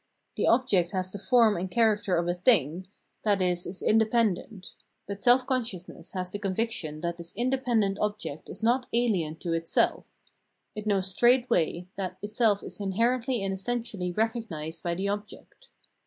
The object has the form and character of a thing, i.e. is indepen dent : but self consciousness has the conviction that this independent object is not ahen to itself ; it knows straightway that itself is inherently and essen tially recognised by the object.